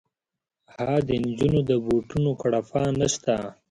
ها د نجونو د بوټونو کړپا نه شته